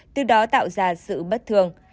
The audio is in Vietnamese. từ đó tạo ra sự bất thường